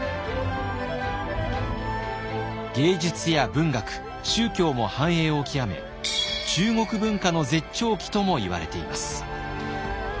芸術や文学宗教も繁栄を極め中国文化の絶頂期ともいわれています。